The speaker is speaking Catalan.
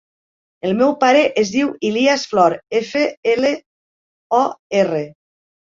El meu pare es diu Ilyas Flor: efa, ela, o, erra.